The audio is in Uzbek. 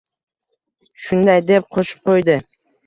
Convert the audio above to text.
shunday deb qo‘shib qo‘ydi: